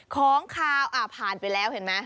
ของขาวอ่ะผ่านไปแล้วเห็นมั้ย